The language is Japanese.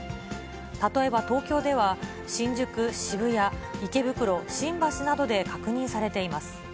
例えば東京では、新宿、渋谷、池袋、新橋などで確認されています。